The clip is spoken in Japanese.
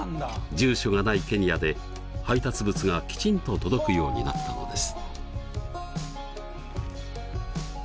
住所がないケニアで配達物がきちんと届くようになったのです。